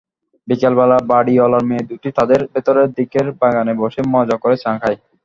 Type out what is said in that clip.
বিকেলবেলা বাড়িঅলার মেয়ে ুদটি তাদের ভেতরের দিকের বাগানে বসে মজা করে চা খায়।